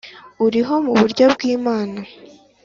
uriho mu buryo bw’ Imana